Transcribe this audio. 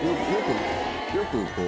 よくこう。